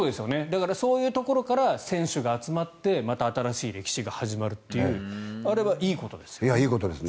そういうところから選手が集まってまた新しい歴史が始まるっていうあれはいいことですよね。